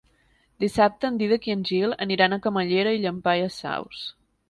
Dissabte en Dídac i en Gil aniran a Camallera i Llampaies Saus.